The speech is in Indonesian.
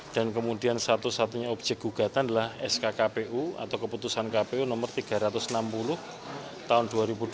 dan kemudian satu satunya objek gugatan adalah sk kpu atau keputusan kpu nomor tiga ratus enam puluh tahun dua ribu dua puluh empat